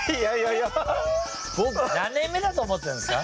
僕何年目だと思ってるんですか。